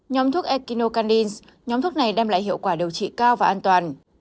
nhóm thuốc echinocandins nhóm thuốc này đem lại hiệu quả điều trị cao và an toàn